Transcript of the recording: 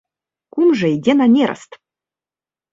Кумжа ідзе на нераст!